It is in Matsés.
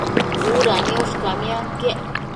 Uda niosh camianquiec